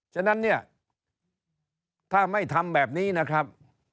ฉะนั้นเนี่ยถ้าไม่ทำแบบนี้นะครับ